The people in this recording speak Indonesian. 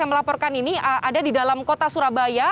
yang melaporkan ini ada di dalam kota surabaya